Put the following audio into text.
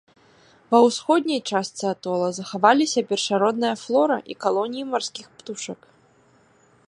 Ва ўсходняй частцы атола захаваліся першародная флора і калоніі марскіх птушак.